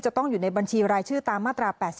จะต้องอยู่ในบัญชีรายชื่อตามมาตรา๘๔